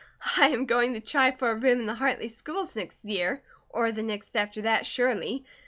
I am going to try for a room in the Hartley schools next year, or the next after that, surely.